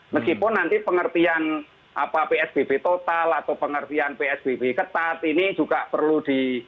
meskipun nanti pengertian psbb total atau pengertian psbb ketat ini juga perlu di